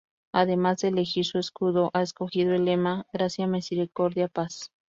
Además de elegir su escudo, ha escogido el lema "Gracia, Misericordia, Paz".